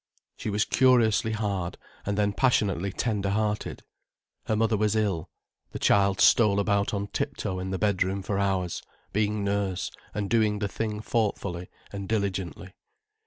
She was curiously hard, and then passionately tenderhearted. Her mother was ill, the child stole about on tip toe in the bedroom for hours, being nurse, and doing the thing thoughtfully and diligently.